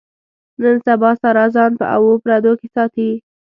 نن سبا ساره ځان په اوو پردو کې ساتي.